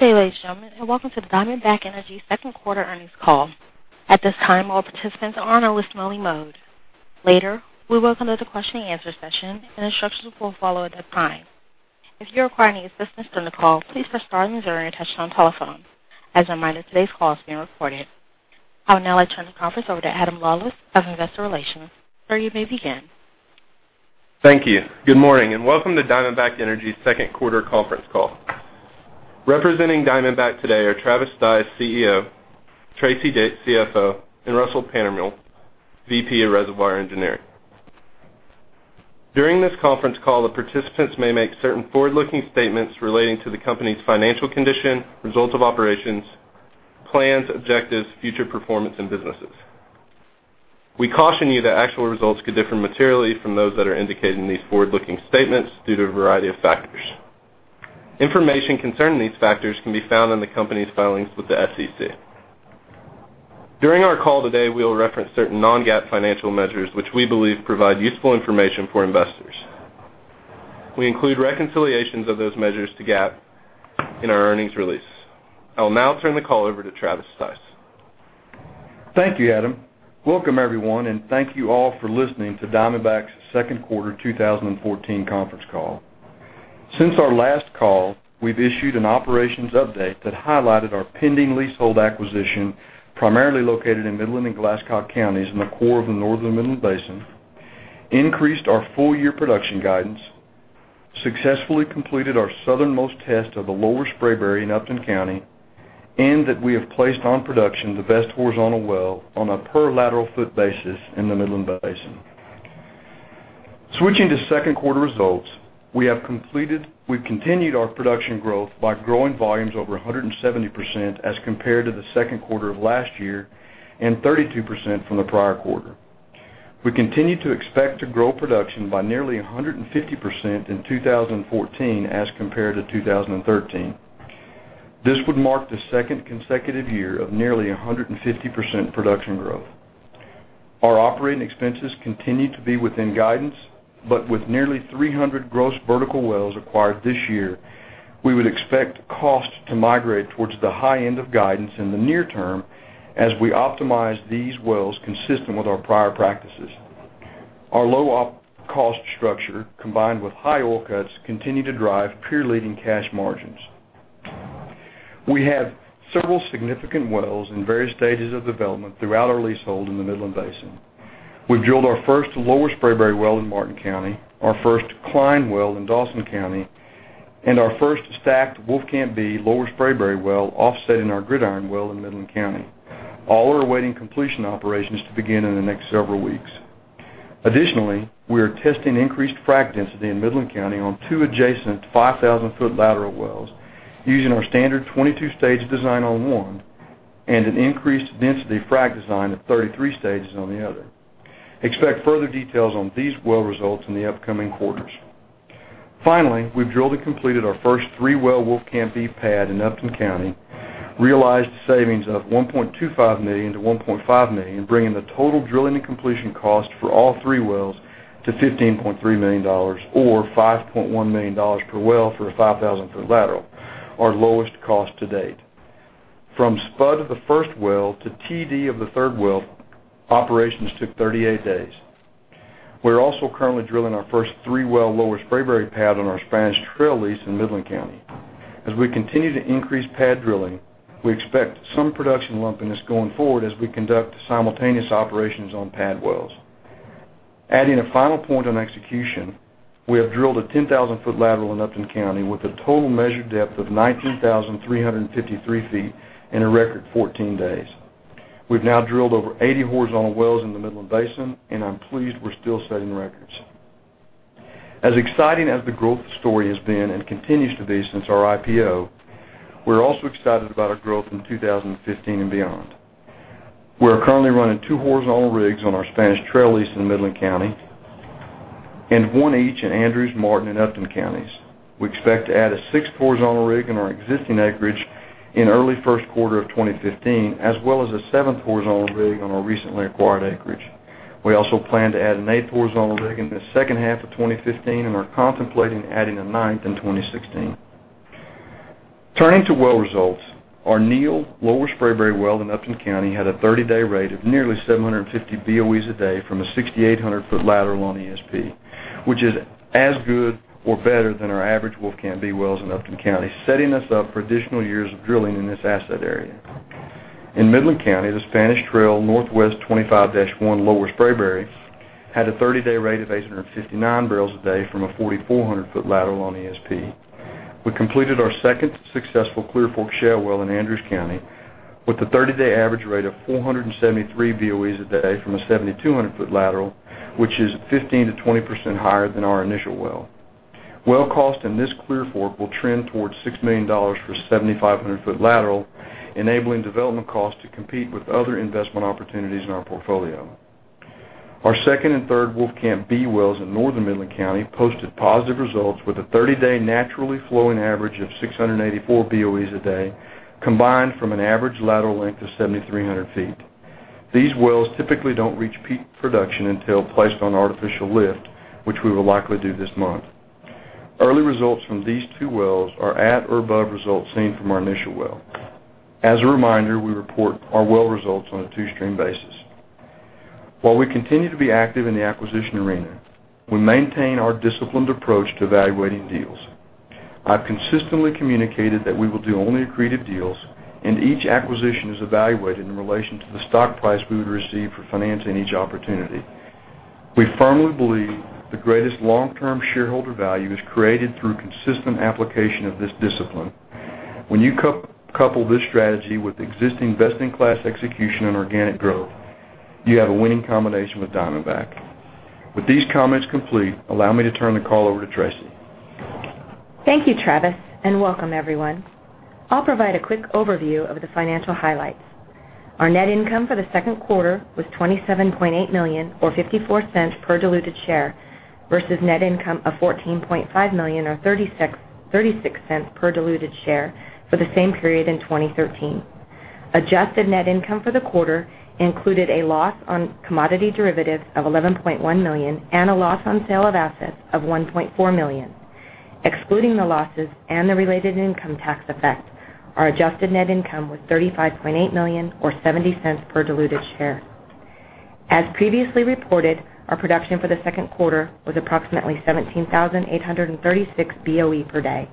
Good day, ladies and gentlemen, and welcome to the Diamondback Energy second quarter earnings call. At this time, all participants are on a listen-only mode. Later, we will conduct a question and answer session, and instructions will follow at that time. If you require any assistance during the call, please press star and zero on your touchtone telephones. As a reminder, today's call is being recorded. I would now like turn the conference over to Adam Lawlis of Investor Relations. Sir, you may begin. Thank you. Good morning, welcome to Diamondback Energy's second quarter conference call. Representing Diamondback today are Travis Stice, CEO; Tracy Dick, CFO; and Russell Pantermuehl, VP of Reservoir Engineering. During this conference call, the participants may make certain forward-looking statements relating to the company's financial condition, results of operations, plans, objectives, future performance, and businesses. We caution you that actual results could differ materially from those that are indicated in these forward-looking statements due to a variety of factors. Information concerning these factors can be found in the company's filings with the SEC. During our call today, we will reference certain non-GAAP financial measures which we believe provide useful information for investors. We include reconciliations of those measures to GAAP in our earnings release. I will now turn the call over to Travis Stice. Thank you, Adam. Welcome everyone, thank you all for listening to Diamondback's second quarter 2014 conference call. Since our last call, we've issued an operations update that highlighted our pending leasehold acquisition, primarily located in Midland and Glasscock counties in the core of the Northern Midland Basin, increased our full-year production guidance, successfully completed our southernmost test of the Lower Spraberry in Upton County, we have placed on production the best horizontal well on a per lateral foot basis in the Midland Basin. Switching to second quarter results, we've continued our production growth by growing volumes over 170% as compared to the second quarter of last year and 32% from the prior quarter. We continue to expect to grow production by nearly 150% in 2014 as compared to 2013. This would mark the second consecutive year of nearly 150% production growth. Our operating expenses continue to be within guidance, with nearly 300 gross vertical wells acquired this year, we would expect costs to migrate towards the high end of guidance in the near term as we optimize these wells consistent with our prior practices. Our low op cost structure, combined with high oil cuts, continue to drive peer-leading cash margins. We have several significant wells in various stages of development throughout our leasehold in the Midland Basin. We've drilled our first Lower Spraberry well in Martin County, our first Cline well in Dawson County, our first stacked Wolfcamp B Lower Spraberry well offsetting our Gridiron well in Midland County. All are awaiting completion operations to begin in the next several weeks. Additionally, we are testing increased frac density in Midland County on two adjacent 5,000-foot lateral wells using our standard 22-stage design on one and an increased density frac design of 33 stages on the other. Expect further details on these well results in the upcoming quarters. Finally, we've drilled and completed our first three-well Wolfcamp B pad in Upton County, realized savings of $1.25 million-$1.5 million, bringing the total drilling and completion cost for all three wells to $15.3 million, or $5.1 million per well for a 5,000-foot lateral, our lowest cost to date. From spud of the first well to TD of the third well, operations took 38 days. We're also currently drilling our first three-well Lower Spraberry pad on our Spanish Trail lease in Midland County. As we continue to increase pad drilling, we expect some production lumpiness going forward as we conduct simultaneous operations on pad wells. Adding a final point on execution, we have drilled a 10,000-foot lateral in Upton County with a total measured depth of 19,353 feet in a record 14 days. We've now drilled over 80 horizontal wells in the Midland Basin, and I'm pleased we're still setting records. As exciting as the growth story has been and continues to be since our IPO, we're also excited about our growth in 2015 and beyond. We are currently running two horizontal rigs on our Spanish Trail lease in Midland County and one each in Andrews, Martin, and Upton counties. We expect to add a sixth horizontal rig in our existing acreage in early first quarter of 2015, as well as a seventh horizontal rig on our recently acquired acreage. We also plan to add an eighth horizontal rig in the second half of 2015 and are contemplating adding a ninth in 2016. Turning to well results, our Neal Lower Spraberry well in Upton County had a 30-day rate of nearly 750 BOEs a day from a 6,800-foot lateral on ESP, which is as good or better than our average Wolfcamp B wells in Upton County, setting us up for additional years of drilling in this asset area. In Midland County, the Spanish Trail Northwest 25-1 Lower Spraberry had a 30-day rate of 859 barrels a day from a 4,400-foot lateral on ESP. We completed our second successful Clear Fork shale well in Andrews County with a 30-day average rate of 473 BOEs a day from a 7,200-foot lateral, which is 15%-20% higher than our initial well. Well cost in this Clear Fork will trend towards $6 million for 7,500-foot lateral, enabling development costs to compete with other investment opportunities in our portfolio. Our second and third Wolfcamp B wells in northern Midland County posted positive results with a 30-day naturally flowing average of 684 BOEs a day, combined from an average lateral length of 7,300 ft. These wells typically don't reach peak production until placed on artificial lift, which we will likely do this month. Early results from these two wells are at or above results seen from our initial well. As a reminder, we report our well results on a two-stream basis. While we continue to be active in the acquisition arena, we maintain our disciplined approach to evaluating deals. I've consistently communicated that we will do only accretive deals, and each acquisition is evaluated in relation to the stock price we would receive for financing each opportunity. We firmly believe the greatest long-term shareholder value is created through consistent application of this discipline. When you couple this strategy with existing best-in-class execution and organic growth, you have a winning combination with Diamondback. With these comments complete, allow me to turn the call over to Tracy. Thank you, Travis, and welcome everyone. I'll provide a quick overview of the financial highlights. Our net income for the second quarter was $27.8 million or $0.54 per diluted share, versus net income of $14.5 million or $0.36 per diluted share for the same period in 2013. Adjusted net income for the quarter included a loss on commodity derivatives of $11.1 million and a loss on sale of assets of $1.4 million. Excluding the losses and the related income tax effect, our adjusted net income was $35.8 million or $0.70 per diluted share. As previously reported, our production for the second quarter was approximately 17,836 BOE per day.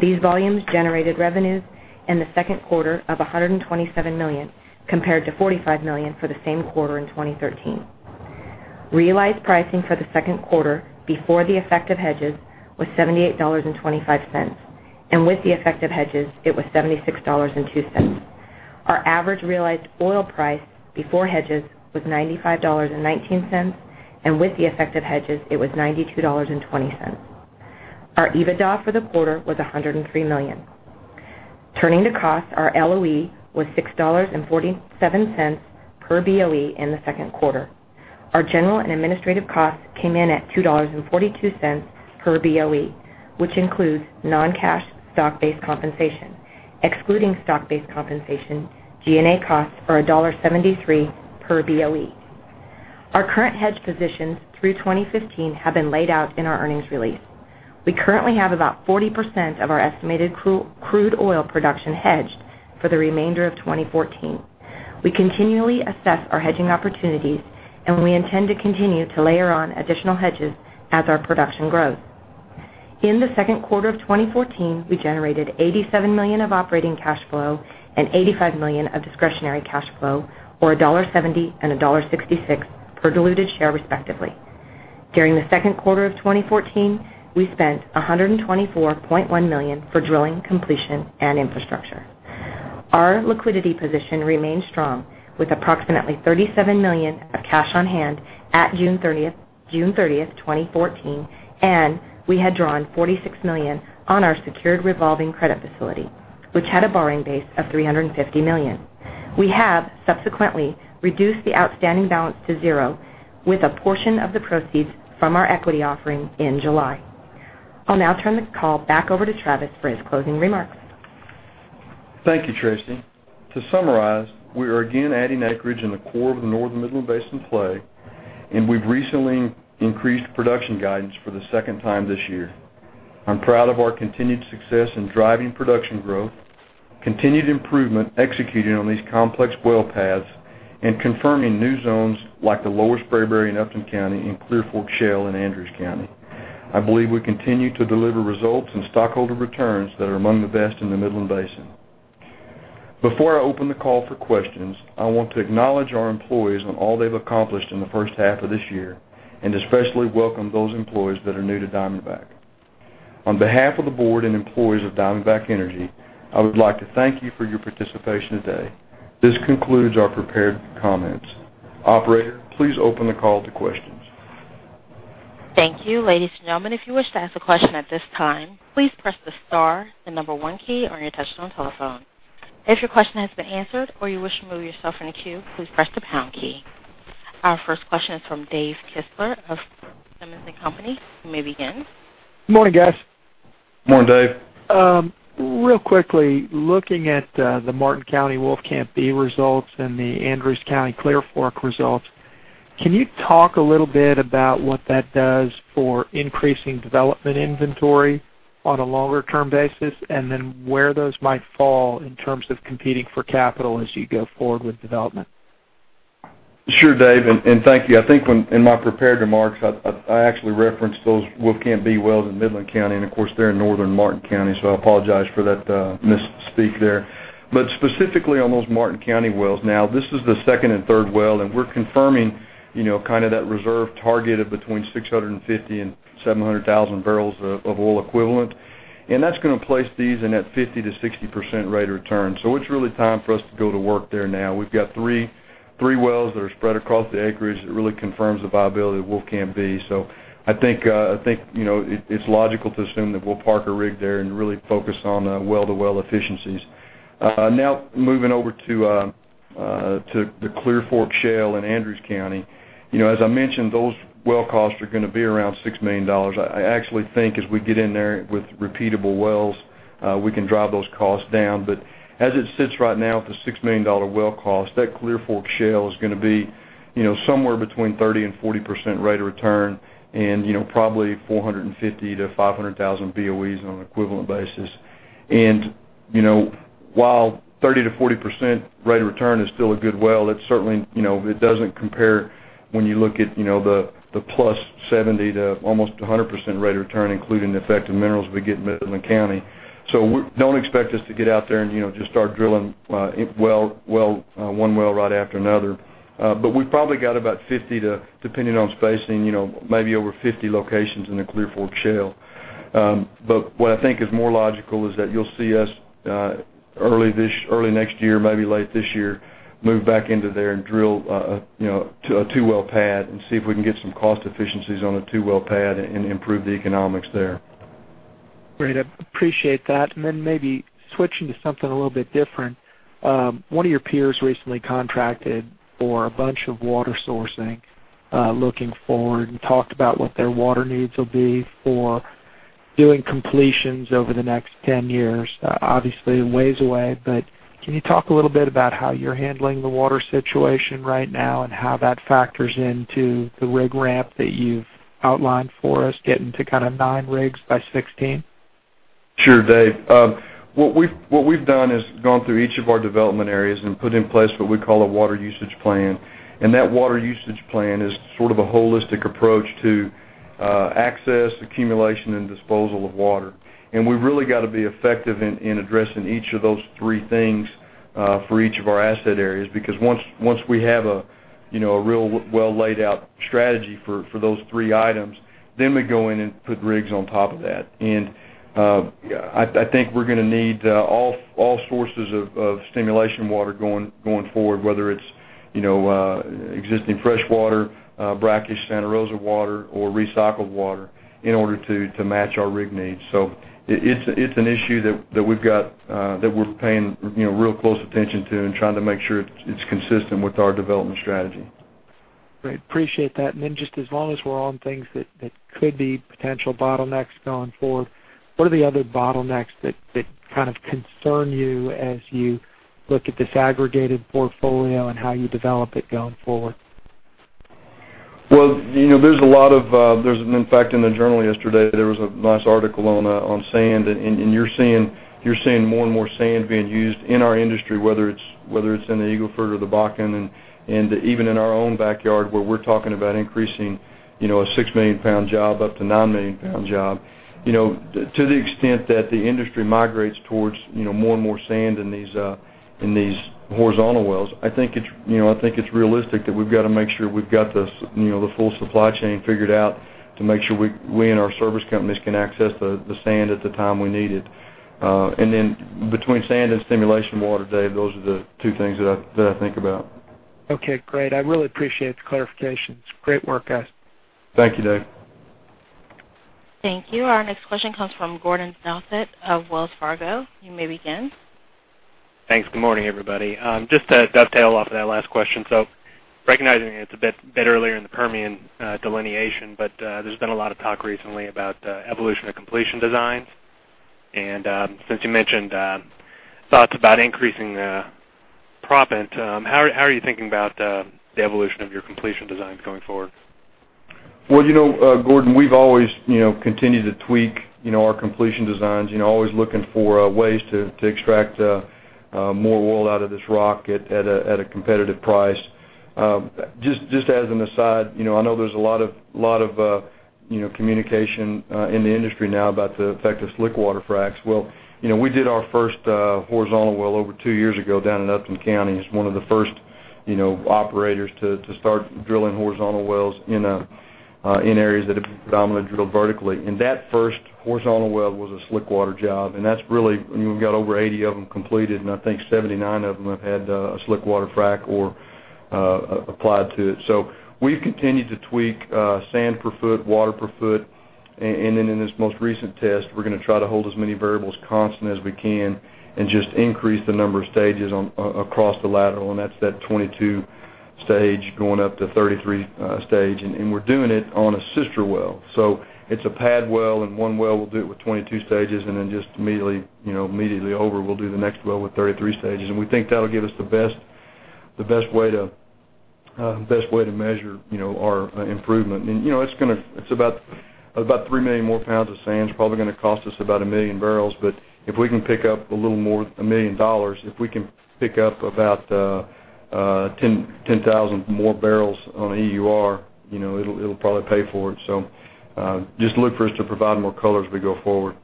These volumes generated revenues in the second quarter of $127 million, compared to $45 million for the same quarter in 2013. Realized pricing for the second quarter before the effect of hedges was $78.25, and with the effect of hedges, it was $76.02. Our average realized oil price before hedges was $95.19, and with the effect of hedges, it was $92.20. Our EBITDA for the quarter was $103 million. Turning to costs, our LOE was $6.47 per BOE in the second quarter. Our general and administrative costs came in at $2.42 per BOE, which includes non-cash stock-based compensation. Excluding stock-based compensation, G&A costs are $1.73 per BOE. Our current hedge positions through 2015 have been laid out in our earnings release. We currently have about 40% of our estimated crude oil production hedged for the remainder of 2014. We continually assess our hedging opportunities, we intend to continue to layer on additional hedges as our production grows. In the second quarter of 2014, we generated $87 million of operating cash flow and $85 million of discretionary cash flow, or $1.70 and $1.66 per diluted share, respectively. During the second quarter of 2014, we spent $124.1 million for drilling, completion, and infrastructure. Our liquidity position remains strong, with approximately $37 million of cash on hand at June 30th, 2014, and we had drawn $46 million on our secured revolving credit facility, which had a borrowing base of $350 million. We have subsequently reduced the outstanding balance to zero with a portion of the proceeds from our equity offering in July. I'll now turn the call back over to Travis for his closing remarks. Thank you, Tracy. To summarize, we are again adding acreage in the core of the Northern Midland Basin play. We've recently increased production guidance for the second time this year. I'm proud of our continued success in driving production growth, continued improvement executing on these complex well paths, and confirming new zones like the Lower Spraberry in Upton County and Clear Fork Shale in Andrews County. I believe we continue to deliver results and stockholder returns that are among the best in the Midland Basin. Before I open the call for questions, I want to acknowledge our employees on all they've accomplished in the first half of this year and especially welcome those employees that are new to Diamondback. On behalf of the board and employees of Diamondback Energy, I would like to thank you for your participation today. This concludes our prepared comments. Operator, please open the call to questions. Thank you. Ladies and gentlemen, if you wish to ask a question at this time, please press the star and number 1 key on your touchtone telephone. If your question has been answered or you wish to remove yourself from the queue, please press the pound key. Our first question is from Dave Kistler of Simmons & Company. You may begin. Good morning, guys. Good morning, Dave. Real quickly, looking at the Martin County Wolfcamp B results and the Andrews County Clear Fork results, can you talk a little bit about what that does for increasing development inventory on a longer-term basis, and then where those might fall in terms of competing for capital as you go forward with development? Sure, Dave, and thank you. I think in my prepared remarks, I actually referenced those Wolfcamp B wells in Midland County, and of course, they're in northern Martin County, so I apologize for that misspeak there. Specifically on those Martin County wells, now, this is the second and third well, and we're confirming that reserve target of between 650,000 and 700,000 barrels of oil equivalent. That's going to place these in that 50%-60% rate of return. It's really time for us to go to work there now. We've got three wells that are spread across the acreage that really confirms the viability of Wolfcamp B. I think it's logical to assume that we'll park a rig there and really focus on well-to-well efficiencies. Now moving over to the Clear Fork Shale in Andrews County. As I mentioned, those well costs are going to be around $6 million. I actually think as we get in there with repeatable wells we can drive those costs down. As it sits right now with the $6 million well cost, that Clear Fork Shale is going to be somewhere between 30%-40% rate of return and probably 450,000-500,000 BOEs on an equivalent basis. While 30%-40% rate of return is still a good well, it doesn't compare when you look at the +70% to almost 100% rate of return, including the effect of minerals we get in Midland County. Don't expect us to get out there and just start drilling one well right after another. We've probably got, depending on spacing, maybe over 50 locations in the Clear Fork Shale. What I think is more logical is that you'll see us early next year, maybe late this year, move back into there and drill a two-well pad and see if we can get some cost efficiencies on a two-well pad and improve the economics there. Great. I appreciate that. Then maybe switching to something a little bit different. One of your peers recently contracted for a bunch of water sourcing, looking forward, and talked about what their water needs will be for doing completions over the next 10 years. Obviously, a ways away, but can you talk a little bit about how you're handling the water situation right now and how that factors into the rig ramp that you've outlined for us, getting to nine rigs by 2016? Sure, Dave. What we've done is gone through each of our development areas and put in place what we call a water usage plan. That water usage plan is sort of a holistic approach to access, accumulation, and disposal of water. We've really got to be effective in addressing each of those three things for each of our asset areas, because once we have a real well-laid-out strategy for those three items, then we go in and put rigs on top of that. I think we're going to need all sources of stimulation water going forward, whether it's existing fresh water, brackish Santa Rosa water, or recycled water in order to match our rig needs. It's an issue that we're paying real close attention to and trying to make sure it's consistent with our development strategy. Great. Appreciate that. Then just as long as we're on things that could be potential bottlenecks going forward, what are the other bottlenecks that kind of concern you as you look at this aggregated portfolio and how you develop it going forward? Well, there's an impact in the journal yesterday, there was a nice article on sand, and you're seeing more and more sand being used in our industry, whether it's in the Eagle Ford or the Bakken, and even in our own backyard, where we're talking about increasing a 6-million-pound job up to 9-million-pound job. To the extent that the industry migrates towards more and more sand in these horizontal wells, I think it's realistic that we've got to make sure we've got the full supply chain figured out to make sure we and our service companies can access the sand at the time we need it. Between sand and stimulation water, Dave, those are the two things that I think about. Okay, great. I really appreciate the clarification. It's great work, guys. Thank you, Dave. Thank you. Our next question comes from Gordon Douthat of Wells Fargo. You may begin. Thanks. Good morning, everybody. Just to dovetail off of that last question, recognizing it's a bit earlier in the Permian delineation, there's been a lot of talk recently about evolution of completion designs. Since you mentioned thoughts about increasing proppant, how are you thinking about the evolution of your completion designs going forward? Well, Gordon, we've always continued to tweak our completion designs, always looking for ways to extract more oil out of this rock at a competitive price. Just as an aside, I know there's a lot of communication in the industry now about the effect of slick water fracs. Well, we did our first horizontal well over two years ago down in Upton County as one of the first operators to start drilling horizontal wells in areas that have predominantly drilled vertically. That first horizontal well was a slick water job. That's really, we've got over 80 of them completed, and I think 79 of them have had a slick water frac applied to it. We've continued to tweak sand per foot, water per foot. In this most recent test, we're going to try to hold as many variables constant as we can and just increase the number of stages across the lateral. That's that 22 stage going up to 33 stage, and we're doing it on a sister well. It's a pad well, one well, we'll do it with 22 stages, then just immediately over, we'll do the next well with 33 stages. We think that'll give us the best way to measure our improvement. It's about 3 million more pounds of sand. It's probably going to cost us about 1 million barrels, but if we can pick up a little more, $1 million, if we can pick up about 10,000 more barrels on an EUR it'll probably pay for it. Just look for us to provide more color as we go forward.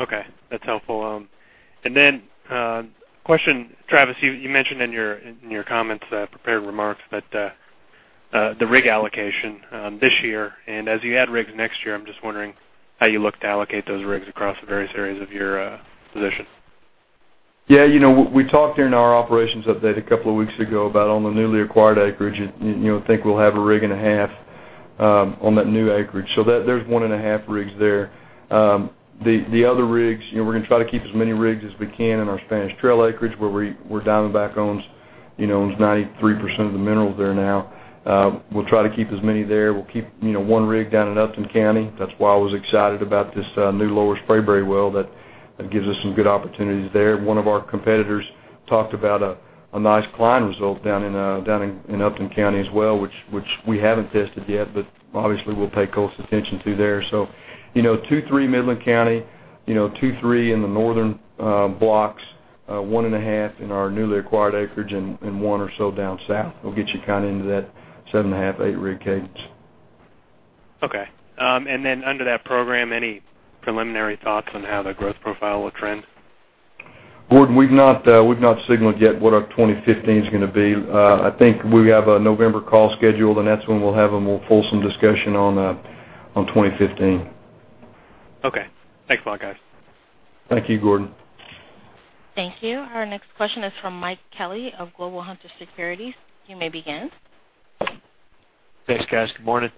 Okay. That's helpful. A question, Travis, you mentioned in your comments, prepared remarks that the rig allocation this year, as you add rigs next year, I'm just wondering how you look to allocate those rigs across the various areas of your position. Yeah. We talked during our operations update a couple of weeks ago about on the newly acquired acreage, I think we'll have a rig and a half on that new acreage. There's one and a half rigs there. The other rigs, we're going to try to keep as many rigs as we can in our Spanish Trail acreage, where Diamondback owns 93% of the minerals there now. We'll try to keep as many there. We'll keep one rig down in Upton County. That's why I was excited about this new Lower Spraberry well that gives us some good opportunities there. One of our competitors talked about a nice Cline result down in Upton County as well, which we haven't tested yet, but obviously, we'll pay close attention to there. 2, 3 Midland County, 2, 3 in the northern blocks, 1.5 in our newly acquired acreage, one or so down south. We'll get you into that seven and a half, eight rig cadence. Okay. Under that program, any preliminary thoughts on how the growth profile will trend? Gordon, we've not signaled yet what our 2015 is going to be. I think we have a November call scheduled, and that's when we'll have a more fulsome discussion on 2015. Okay. Thanks a lot, guys. Thank you, Gordon. Thank you. Our next question is from Mike Kelly of Global Hunter Securities. You may begin. Thanks, guys. Good morning.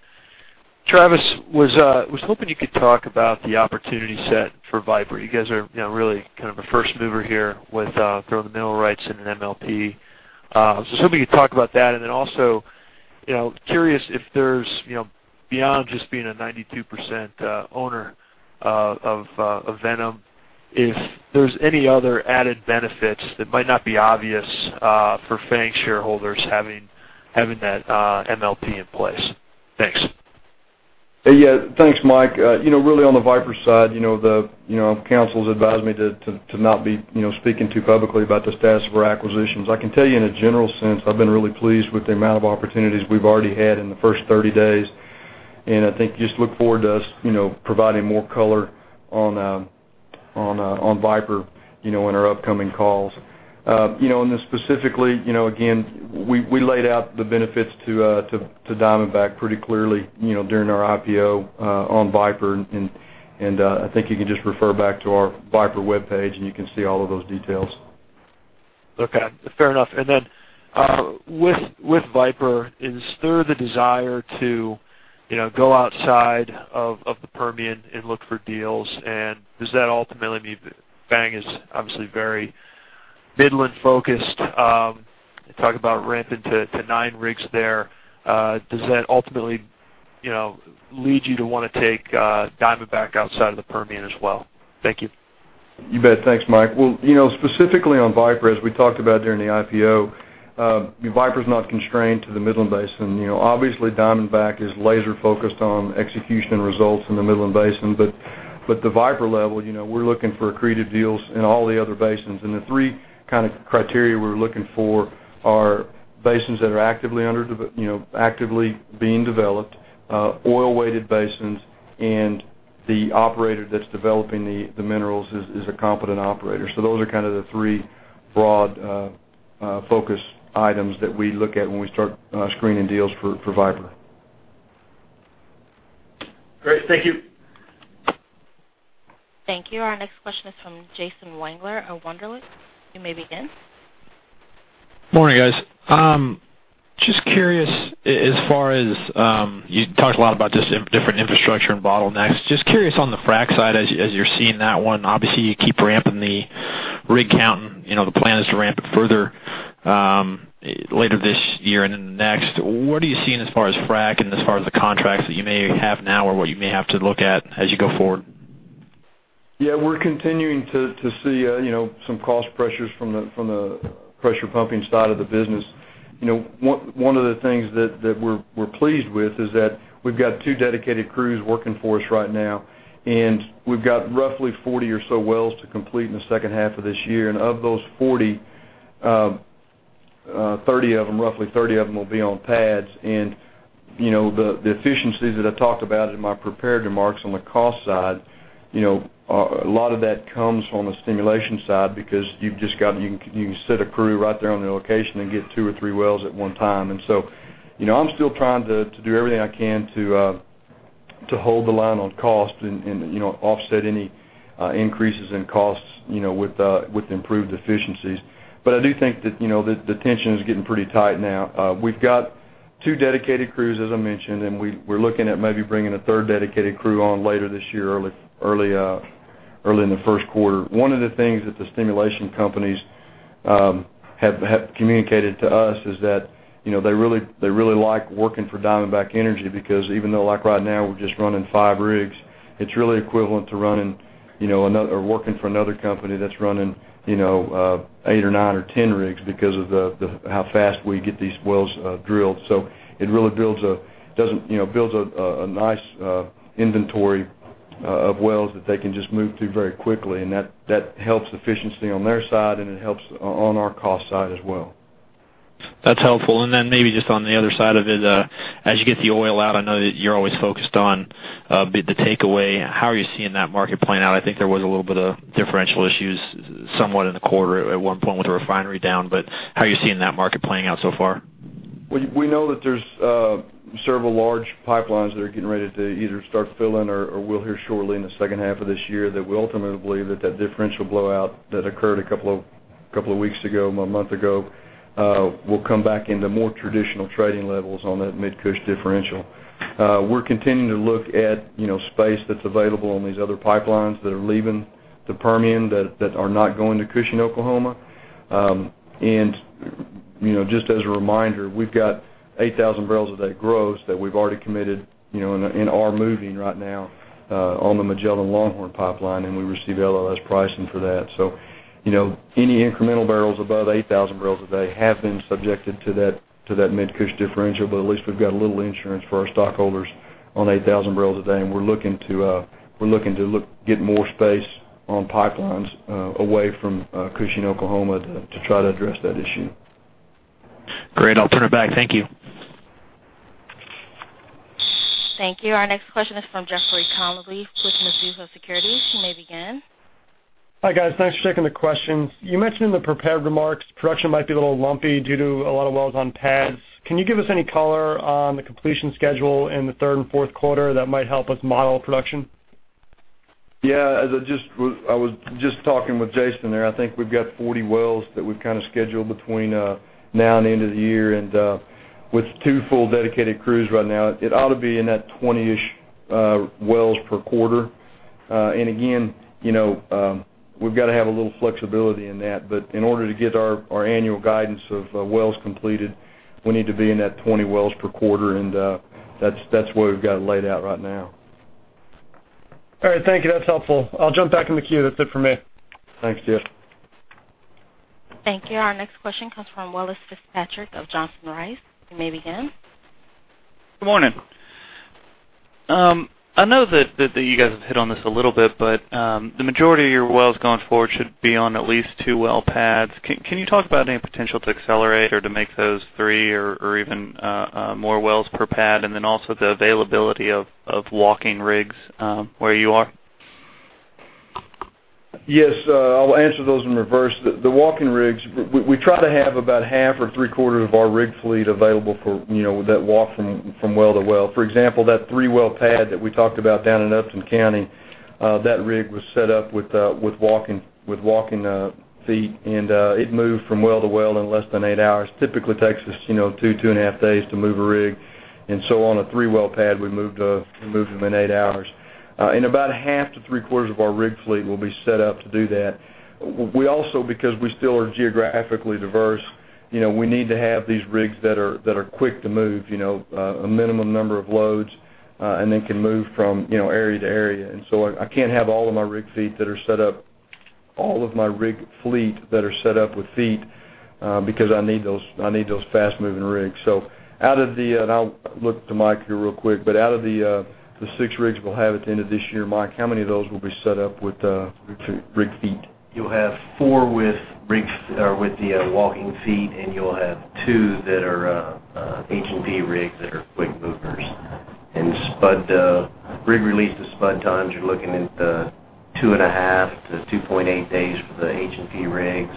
Travis, was hoping you could talk about the opportunity set for Viper. You guys are really a first mover here with throwing the mineral rights in an MLP. I was just hoping you could talk about that, and then also, curious if there's, beyond just being a 92% owner of Viper, if there's any other added benefits that might not be obvious for Fang shareholders having that MLP in place. Thanks. Yeah. Thanks, Mike. Really on the Viper side, the counsels advised me to not be speaking too publicly about the status of our acquisitions. I can tell you in a general sense, I've been really pleased with the amount of opportunities we've already had in the first 30 days. I think just look forward to us providing more color on Viper, in our upcoming calls. On this specifically, again, we laid out the benefits to Diamondback pretty clearly during our IPO on Viper, and I think you can just refer back to our Viper webpage, and you can see all of those details. Okay. Fair enough. Then, with Viper, is there the desire to go outside of the Permian and look for deals? Does that ultimately mean that Fang is obviously very Midland focused? You talk about ramping to nine rigs there. Does that ultimately lead you to want to take Diamondback outside of the Permian as well? Thank you. You bet. Thanks, Mike. Well, specifically on Viper, as we talked about during the IPO, Viper's not constrained to the Midland Basin. Obviously, Diamondback is laser focused on execution results in the Midland Basin. The Viper level, we're looking for accretive deals in all the other basins. The three criteria we're looking for are basins that are actively being developed, oil-weighted basins, and the operator that's developing the minerals is a competent operator. Those are the three broad focus items that we look at when we start screening deals for Viper. Great. Thank you. Thank you. Our next question is from Jason Wangler of Wunderlich. You may begin. Morning, guys. Just curious, as far as, you talked a lot about just different infrastructure and bottlenecks. Just curious on the frack side as you're seeing that one, obviously, you keep ramping the rig count, and the plan is to ramp it further later this year and then next. What are you seeing as far as frack and as far as the contracts that you may have now or what you may have to look at as you go forward? Yeah, we're continuing to see some cost pressures from the pressure pumping side of the business. One of the things that we're pleased with is that we've got two dedicated crews working for us right now, and we've got roughly 40 or so wells to complete in the second half of this year, and of those 40, 30 of them, roughly 30 of them will be on pads. The efficiencies that I talked about in my prepared remarks on the cost side, a lot of that comes from the stimulation side because you can set a crew right there on the location and get two or three wells at one time. I'm still trying to do everything I can to hold the line on cost and offset any increases in costs with improved efficiencies. I do think that the tension is getting pretty tight now. We've got two dedicated crews, as I mentioned, and we're looking at maybe bringing a third dedicated crew on later this year, early in the first quarter. One of the things that the stimulation companies have communicated to us is that they really like working for Diamondback Energy because even though right now we're just running five rigs, it's really equivalent to working for another company that's running eight or nine or 10 rigs because of how fast we get these wells drilled. It really builds a nice inventory of wells that they can just move through very quickly, and that helps efficiency on their side, and it helps on our cost side as well. That's helpful. Maybe just on the other side of it, as you get the oil out, I know that you're always focused on the takeaway. How are you seeing that market playing out? I think there was a little bit of differential issues somewhat in the quarter at one point with the refinery down. How are you seeing that market playing out so far? We know that there's several large pipelines that are getting ready to either start filling or we'll hear shortly in the second half of this year that we ultimately believe that differential blowout that occurred a couple of weeks ago, a month ago, will come back into more traditional trading levels on that Mid-Cush differential. We're continuing to look at space that's available on these other pipelines that are leaving the Permian that are not going to Cushing, Oklahoma. Just as a reminder, we've got 8,000 barrels a day gross that we've already committed and are moving right now on the Magellan Longhorn Pipeline, and we receive LLS pricing for that. Any incremental barrels above 8,000 barrels a day have been subjected to that Mid-Cush differential. At least we've got a little insurance for our stockholders on 8,000 barrels a day. We're looking to get more space on pipelines away from Cushing, Oklahoma, to try to address that issue. Great. I'll turn it back. Thank you. Thank you. Our next question is from Jeffrey Connolly with Mizuho Securities. You may begin. Hi, guys. Thanks for taking the questions. You mentioned in the prepared remarks, production might be a little lumpy due to a lot of wells on pads. Can you give us any color on the completion schedule in the third and fourth quarter that might help us model production? Yeah. I was just talking with Jason there. I think we've got 40 wells that we've scheduled between now and the end of the year. With two full dedicated crews right now, it ought to be in that 20-ish wells per quarter. Again, we've got to have a little flexibility in that. In order to get our annual guidance of wells completed, we need to be in that 20 wells per quarter. That's the way we've got it laid out right now. All right. Thank you. That's helpful. I'll jump back in the queue. That's it for me. Thanks, Jeff. Thank you. Our next question comes from Welles Fitzpatrick of Johnson Rice. You may begin. Good morning. I know that you guys have hit on this a little bit. The majority of your wells going forward should be on at least two well pads. Can you talk about any potential to accelerate or to make those three or even more wells per pad? Also the availability of walking rigs where you are? Yes. I'll answer those in reverse. The walking rigs, we try to have about half or three-quarters of our rig fleet available that walk from well to well. For example, that three-well pad that we talked about down in Upton County, that rig was set up with walking feet, and it moved from well to well in less than eight hours. Typically, it takes us two and a half days to move a rig, and so on a three-well pad, we moved them in eight hours. About half to three-quarters of our rig fleet will be set up to do that. We also, because we still are geographically diverse, we need to have these rigs that are quick to move, a minimum number of loads, and then can move from area to area. I can't have all of my rig fleet that are set up with feet because I need those fast-moving rigs. I'll look to Mike here real quick, but out of the six rigs we'll have at the end of this year, Mike, how many of those will be set up with rig feet? You'll have four with the walking feet, and you'll have two that are H&P rigs that are quick movers. Spud rig release to spud times, you're looking at 2.5 to 2.8 days for the H&P rigs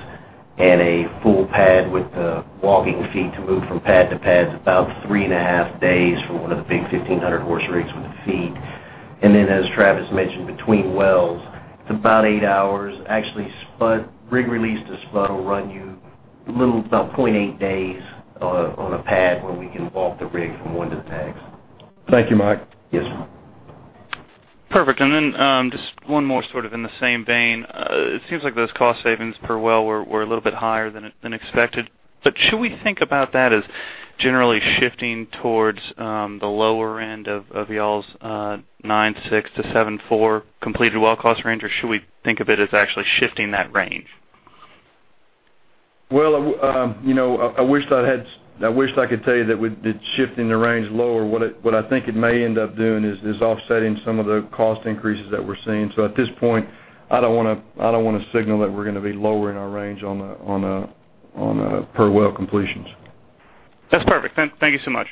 and a full pad with the walking feet to move from pad to pad's about three and a half days for one of the big 1,500 horse rigs with the feet. Then, as Travis mentioned, between wells, it's about eight hours. Actually, spud rig release to spud will run you a little about 0.8 days on a pad where we can walk the rig from one to the next. Thank you, Mike. Yes, sir. Perfect. Then just one more sort of in the same vein. It seems like those cost savings per well were a little bit higher than expected, should we think about that as generally shifting towards the lower end of y'all's nine, six to seven, four completed well cost range, or should we think of it as actually shifting that range? Well, I wish I could tell you that it's shifting the range lower. What I think it may end up doing is offsetting some of the cost increases that we're seeing. At this point, I don't want to signal that we're going to be lowering our range on the per well completions. That's perfect. Thank you so much.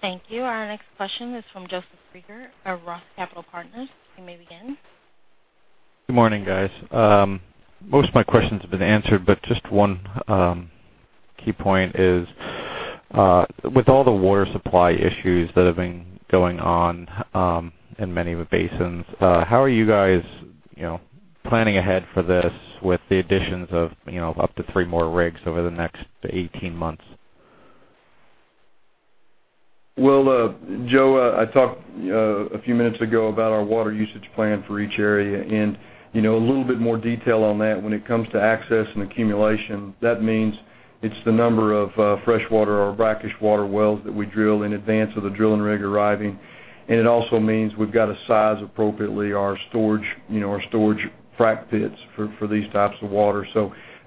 Thank you. Our next question is from Joseph Reagor of ROTH Capital Partners. You may begin. Good morning, guys. Most of my questions have been answered, just one key point is, with all the water supply issues that have been going on in many of the basins, how are you guys planning ahead for this with the additions of up to three more rigs over the next 18 months? Well, Joe, I talked a few minutes ago about our water usage plan for each area, a little bit more detail on that when it comes to access and accumulation. That means it's the number of freshwater or brackish water wells that we drill in advance of the drilling rig arriving, it also means we've got to size appropriately our storage frack pits for these types of water.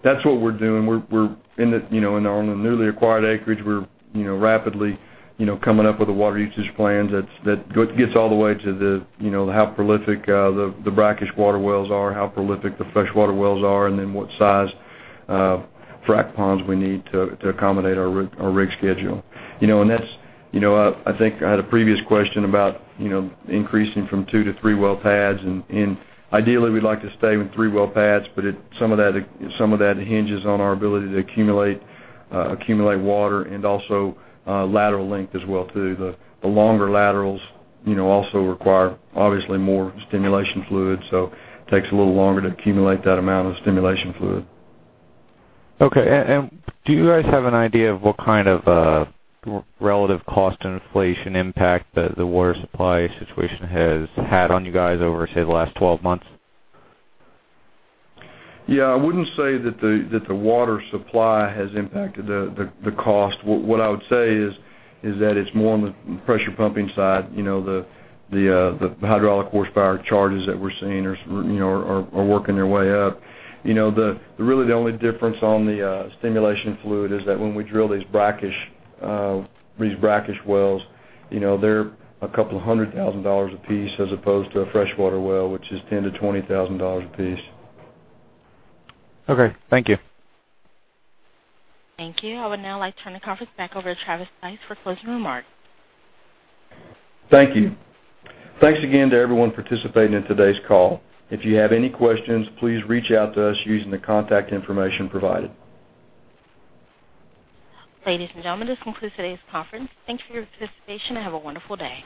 That's what we're doing. On the newly acquired acreage, we're rapidly coming up with the water usage plans that gets all the way to how prolific the brackish water wells are, how prolific the freshwater wells are, then what size frack ponds we need to accommodate our rig schedule. I think I had a previous question about increasing from two to three well pads, ideally, we'd like to stay with three well pads, some of that hinges on our ability to accumulate water and also lateral length as well, too. The longer laterals also require obviously more stimulation fluid, it takes a little longer to accumulate that amount of stimulation fluid. Okay. Do you guys have an idea of what kind of relative cost and inflation impact that the water supply situation has had on you guys over, say, the last 12 months? Yeah. I wouldn't say that the water supply has impacted the cost. What I would say is that it's more on the pressure pumping side. The hydraulic horsepower charges that we're seeing are working their way up. Really the only difference on the stimulation fluid is that when we drill these brackish wells, they're a couple of hundred thousand dollars a piece as opposed to a freshwater well, which is $10,000-$20,000 a piece. Okay. Thank you. Thank you. I would now like to turn the conference back over to Travis Stice for closing remarks. Thank you. Thanks again to everyone participating in today's call. If you have any questions, please reach out to us using the contact information provided. Ladies and gentlemen, this concludes today's conference. Thanks for your participation and have a wonderful day.